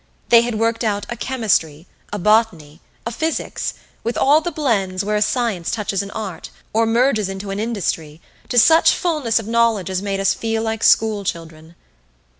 They had worked out a chemistry, a botany, a physics, with all the blends where a science touches an art, or merges into an industry, to such fullness of knowledge as made us feel like schoolchildren.